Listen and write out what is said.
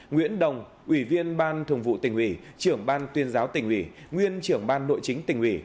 nguyễn đồng ủy viên ban thường vụ tỉnh ủy trưởng ban tuyên giáo tỉnh ủy nguyên trưởng ban nội chính tỉnh ủy